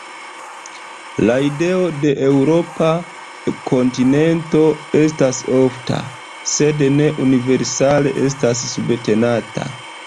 La ideo de eŭropa "kontinento" estas ofta, sed ne universale estas subtenata.